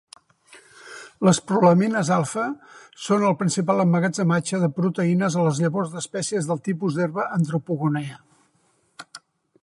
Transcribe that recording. Les prolamines alfa són el principal emmagatzematge de proteïnes a les llavors d'espècies del tipus d'herba Andropogonea.